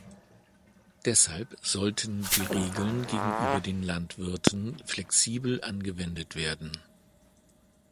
Deshalb sollten die Regeln gegenüber den Landwirten flexibel angewendet werden.